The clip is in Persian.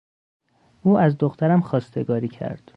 او از دخترم خواستگاری کرد.